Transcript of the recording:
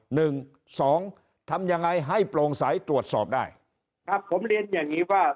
หนึ่งสองทำยังไงให้โปร่งใสตรวจสอบได้ครับผมเรียนอย่างงี้ว่า